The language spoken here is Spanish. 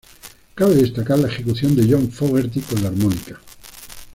Cabe destacar la ejecución de John Fogerty con la armónica.